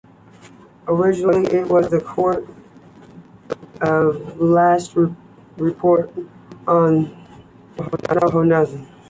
Originally it was the court of last resort on the Navajo Nation.